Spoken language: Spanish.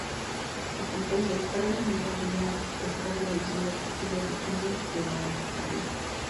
Hasta entonces Carlos María había estado usando el título de conde de la Alcarria.